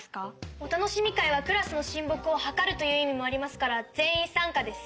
お楽しみ会はクラスの親睦を図るという意味もありますから全員参加です。